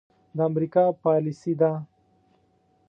د امريکا پاليسي ده.